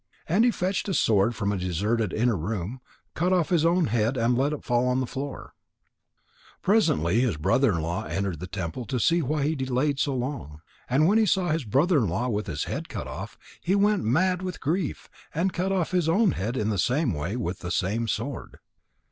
And he fetched a sword from a deserted inner room, cut off his own head, and let it fall on the floor. Presently his brother in law entered the temple to see why he delayed so long. And when he saw his brother in law with his head cut off, he went mad with grief, and cut off his own head in the same way with the same sword.